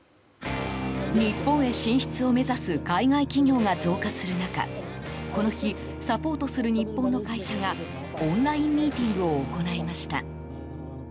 日本へ進出を目指す海外企業が増加する中この日サポートする日本の会社がオンラインミーティングを行いました。